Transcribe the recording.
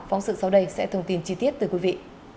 phóng sự sau đây sẽ thông tin chi tiết từ quý vị